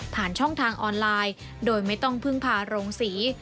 ผ่านช่องทางออนไลน์โดยไม่ต้องพึ่งพาโรงศรี